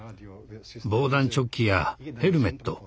防弾チョッキやヘルメット